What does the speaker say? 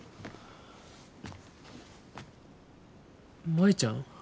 舞ちゃん。